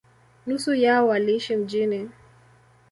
Nusu yao waliishi mjini.